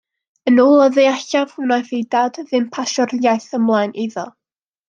Yn ôl a ddeallaf, wnaeth ei dad ddim pasio'r iaith ymlaen iddo.